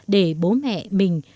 để bố mẹ mình